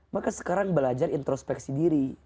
maka sekarang belajar introspeksi diri